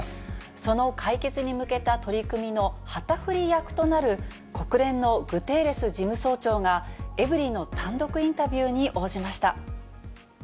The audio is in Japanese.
その解決に向けた取り組みの旗振り役となる、国連のグテーレス事務総長が、エブリィの単独インタビューに応じました。